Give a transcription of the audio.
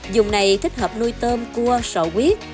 dùng này thích hợp nuôi tôm cua sọ quyết